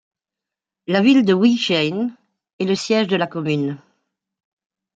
La ville de Wijchen est le siège de la commune.